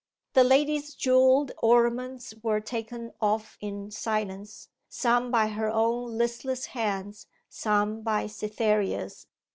The lady's jewelled ornaments were taken off in silence some by her own listless hands, some by Cytherea's.